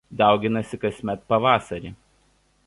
Dauginasi kasmet pavasarį.